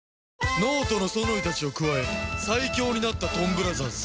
脳人のソノイたちを加え最強になったドンブラザーズ